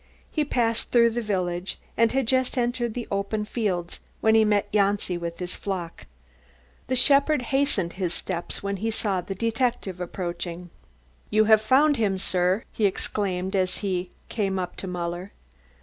He passed through the village and had just entered the open fields when he met Janci with his flock. The shepherd hastened his steps when he saw the detective approaching. "You have found him, sir?" he exclaimed as he came up to Muller.